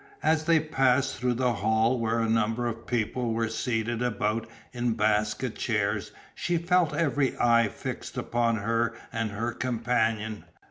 As they passed through the hall where a number of people were seated about in basket chairs she felt every eye fixed upon her and her companion.